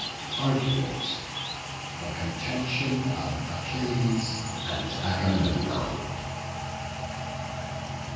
ARGUMENT. THE CONTENTION OF ACHILLES AND AGAMEMNON.